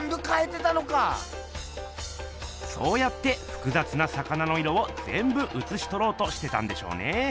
そうやってふくざつな魚の色をぜんぶうつしとろうとしてたんでしょうね。